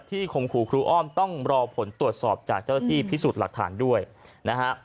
คมขู่ครูอ้อมต้องรอผลตรวจสอบจากเจ้าหน้าที่พิสูจน์หลักฐานด้วยนะฮะ